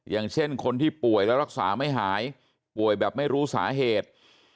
อย่างเช่นคนที่ป่วยแล้วรักษาไม่หายป่วยแบบไม่รู้สาเหตุ